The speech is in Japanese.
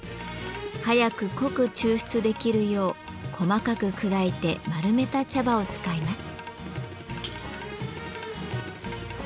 早く濃く抽出できるよう細かく砕いて丸めた茶葉を使います。